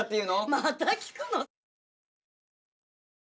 また聞くの？